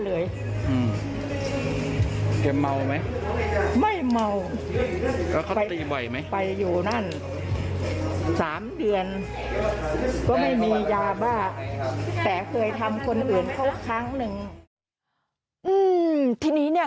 อืมทีนี้เนี่ย